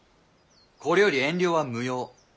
これより遠慮は無用。